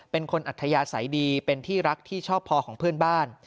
อัธยาศัยดีเป็นที่รักที่ชอบพอของเพื่อนบ้าน